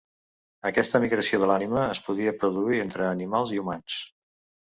Aquesta migració de l'ànima es podia produir entre animals i humans.